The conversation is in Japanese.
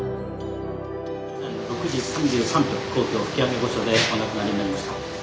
「６時３３分皇居吹上御所でお亡くなりになりました」。